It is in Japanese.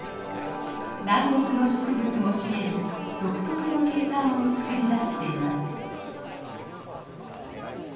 南国の植物も茂り独特の景観を作り出しています。